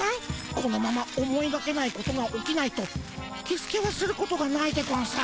このまま思いがけないことが起きないとキスケはすることがないでゴンス。